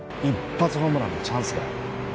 一発ホームランのチャンスだよ。